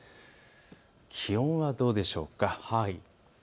気温はどうでしょうか。